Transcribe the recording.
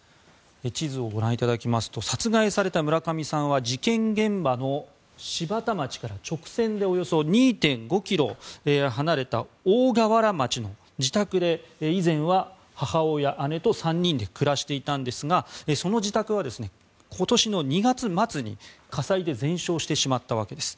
地図をご覧いただきますと殺害された村上さんは事件現場の柴田町から直線でおよそ２．５ｋｍ離れた大河原町の自宅で以前は母親、姉と３人で暮らしていたんですがその自宅は今年２月末に火災で全焼してしまったわけです。